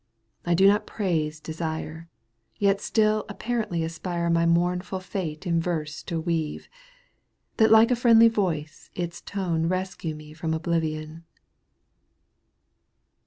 I do not praise, desire. Yet still apparently aspire My mournful fate in verse to weave, That like a friendly voice its tone Kescue me from oblivion.